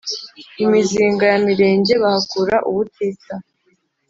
imizinga ya Mirenge bahakura ubutitsa;